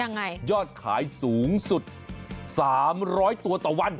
ยอดขายสูงสุด๓๐๐ตัวต่อวัน